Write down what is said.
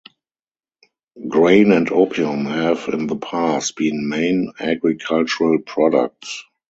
Grain and opium have, in the past, been main agricultural products.